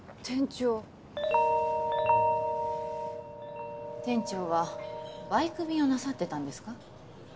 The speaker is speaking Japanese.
店長店長はバイク便をなさってたんですか？